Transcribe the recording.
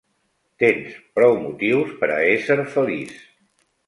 Tens prou motius per a ésser feliç.